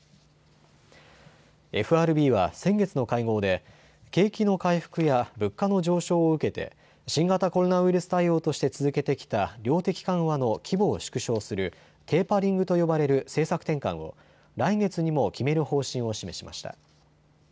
ＦＲＢは先月の会合で景気の回復や物価の上昇を受けて新型コロナウイルス対応として続けてきた量的緩和の規模を縮小するテーパリングと呼ばれる政策転換を来月にも決める方針を示しました。